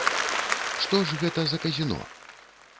Што ж гэта за казіно?